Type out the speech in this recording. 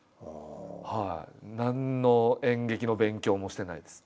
何の演劇の勉強もしてないです。